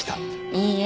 いいえ